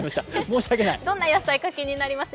どんな野菜になるか気になりました